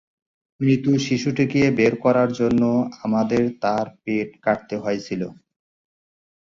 মৃত শিশুটিকে বের করার জন্য, আমাদের তার পেট কাটতে হয়েছিল।